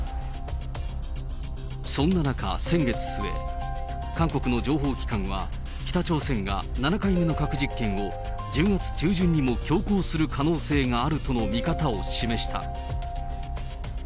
そんな中、先月末、韓国の情報機関は、北朝鮮が７回目の核実験を１０月中旬にも強行する可能性があるとの見方を示した。